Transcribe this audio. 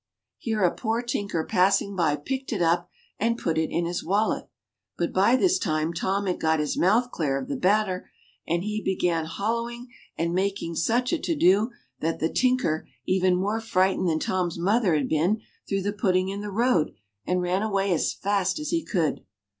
Here a poor tinker passing by picked it up and put it in his wallet. But by this time Tom had got his mouth clear of the batter, and he began holloaing, and making such a to do, that the tinker, even more frightened than Tom's mother had been, threw the pudding in the road, and ran away as fast as he could run.